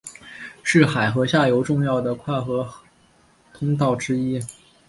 是海河下游重要的跨海河通道之一。